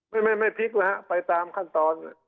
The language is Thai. ไม่ไม่พลิกนะฮะไปตามขั้นตอน